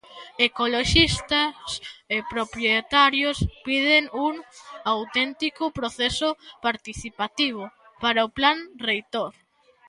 Ecoloxistas e propietarios piden un "auténtico proceso participativo" para o plan reitor.